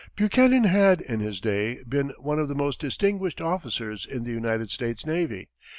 Buchanan had, in his day, been one of the most distinguished officers in the United States navy.